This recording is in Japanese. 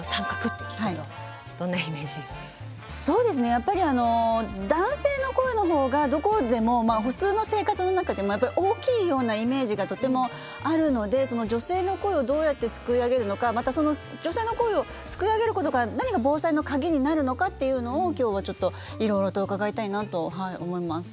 やっぱり男性の声のほうがどこでも普通の生活の中でもやっぱり大きいようなイメージがとてもあるので女性の声をどうやってすくい上げるのかまた女性の声をすくい上げることが何が防災のカギになるのかっていうのを今日はちょっといろいろと伺いたいなと思います。